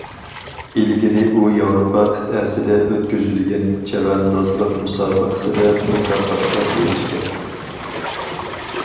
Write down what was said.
ئىلگىرى ئۇ ياۋروپا قىتئەسىدە ئۆتكۈزۈلگەن چەۋەندازلىق مۇسابىقىسىدە مۇكاپاتقا ئېرىشكەن.